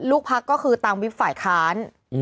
ลูกพักก็คือตามวิบฝ่ายค้าน